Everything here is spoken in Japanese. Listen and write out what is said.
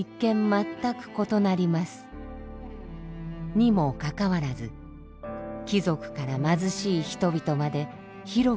にもかかわらず貴族から貧しい人々まで広く信仰されました。